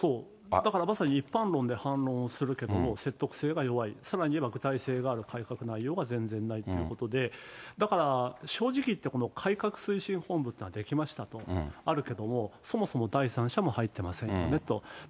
だからまさに一般論で反論をするけれども、説得性が弱い、さらに言えば具体性がある対策内容が全然ないということで、だから、正直言ってこの改革推進本部というものが出来ましたとあるけれども、そもそも第三者も入ってませんよねと。